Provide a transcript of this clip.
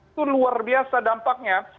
itu luar biasa dampaknya